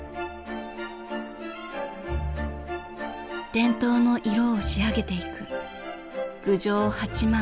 伝統の色を仕上げていく郡上八幡の水と光。